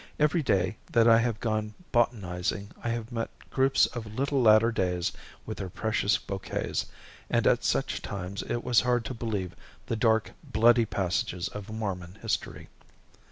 Every day that I have gone botanizing I have met groups of little Latter Days with their precious bouquets, and at such times it was hard to believe the dark, bloody passages of Mormon history.